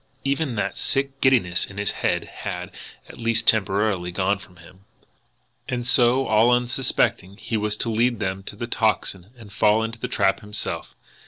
Even that sick giddiness in his head had, at least temporarily, gone from him. And so, all unsuspectingly, he was to lead them to the Tocsin and fall into the trap himself!